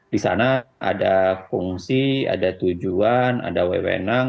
di sana ada fungsi ada tujuan ada wewenang